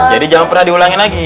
jadi jangan pernah diulangin lagi ya